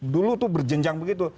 dulu itu berjenjang begitu